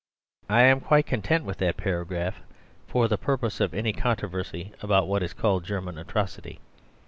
I am quite content with that paragraph for the purpose of any controversy about what is called German atrocity.